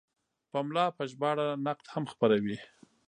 پملا په ژباړه نقد هم خپروي.